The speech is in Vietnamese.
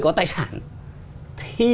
có tài sản thì